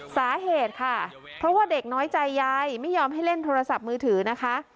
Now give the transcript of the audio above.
สาเหตุค่ะเพราะว่าเด็กน้อยใจยายไม่ยอมให้เล่นโทรศัพท์มือถือนะคะ